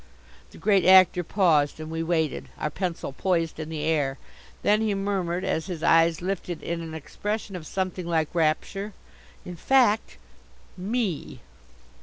The Great Actor paused and we waited, our pencil poised in the air. Then he murmured, as his eyes lifted in an expression of something like rapture. "In fact ME."